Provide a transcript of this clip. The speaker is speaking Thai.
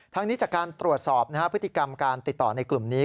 นี้จากการตรวจสอบพฤติกรรมการติดต่อในกลุ่มนี้